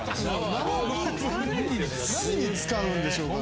何に使うんでしょうかね？